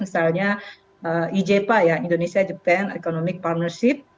misalnya ijpa ya indonesia jepang economic partnership